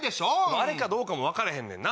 あれかどうかも分かれへんねんな。